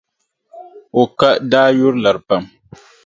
O ka daa yuri lari pam.